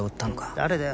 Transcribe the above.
誰だよ？